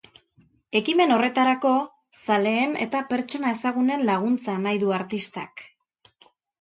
Ekimen horretarako, zaleen eta pertsona ezagunen laguntza nahi du artistak.